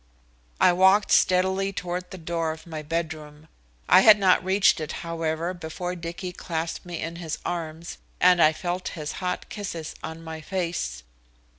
I walked steadily toward the door of my bedroom. I had not reached it, however, before Dicky clasped me in his arms, and I felt his hot kisses on my face.